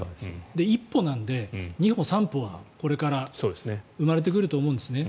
で、一歩なので２歩、３歩はこれから生まれてくると思うんですね。